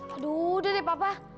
aduh udah deh papa